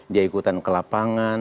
dia ikutan ke lapangan